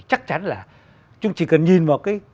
chắc chắn là chúng chỉ cần nhìn vào